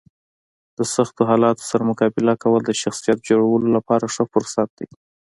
د سختو حالاتو سره مقابله کول د شخصیت جوړولو لپاره ښه فرصت دی.